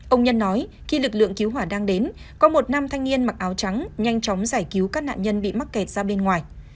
ông nhân nói khi lực lượng cứu hỏa đang đến có một nam thanh niên mặc áo trắng nhanh chóng giải cứu các nạn nhân bị mắc kẹt ra bên ngoài